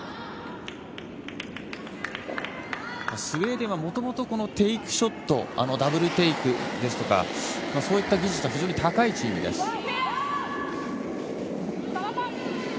スウェーデンはもともとテイクショット、ダブルテイクですとかそういった技術が非常に高いチームです。